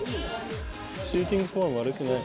シューティングフォーム、悪くない。